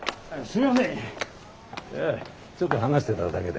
いやちょっと話してただけで。